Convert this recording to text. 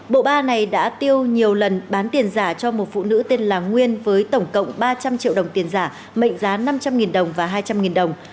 bộ ba này đã tiêu nhiều lần bán tiền giả cho một phụ nữ tên là nguyên với tổng cộng ba trăm linh triệu đồng tiền giả mệnh giá năm trăm linh đồng và hai trăm linh đồng